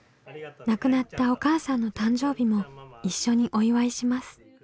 亡くなったお母さんの誕生日も一緒にお祝いします。